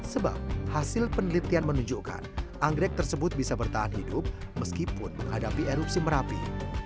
sebab hasil penelitian menunjukkan anggrek tersebut bisa bertahan hidup meskipun menghadapi erupsi merapi